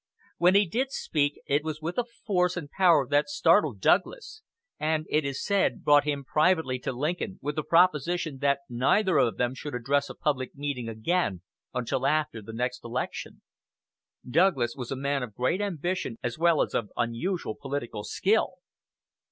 When he did speak it was with a force and power that startled Douglas and, it is said, brought him privately to Lincoln with the proposition that neither of them should address a public meeting again until after the next election. Douglas was a man of great ambition as well as of unusual political skill.